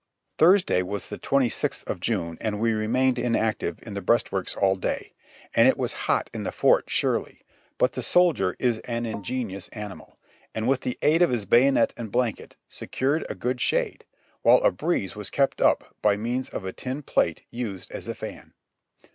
HOT TIMES AROUND RICHMOND 167 Thursday was the 26th of June and we remained inactive in the breastworks all day; and it was hot in the fort surely, but the soldier is an ingenious animal, and with the aid of his bayonet and blanket secured a good shade, while a breeze was kept up by means of a tin plate used as a fan.